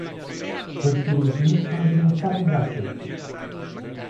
Questi ultimi sono evidenziati in grassetto.